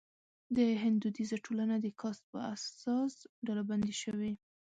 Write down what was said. د هند دودیزه ټولنه د کاسټ پر اساس ډلبندي شوې.